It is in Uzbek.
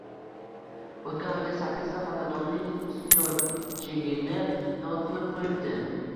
O`tgan oyda sakkizta xonadonning schyotchigini nol qilib qo`yibdi